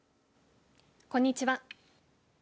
こんにちは。